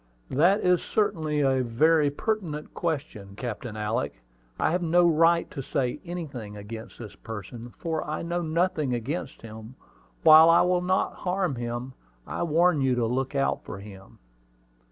"That is certainly a very pertinent question, Captain Alick. I have no right to say anything against this person, for I know nothing against him. While I will not harm him, I warn you to look out for him."